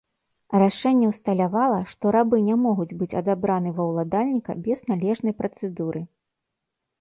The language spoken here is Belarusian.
Рашэнне ўсталявала, што рабы не могуць быць адабраны ва ўладальніка без належнай працэдуры.